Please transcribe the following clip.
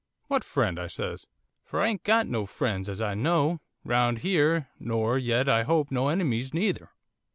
"What friend?" I says, for I ain't got no friends, as I know, round here, nor yet, I hope no enemies neither.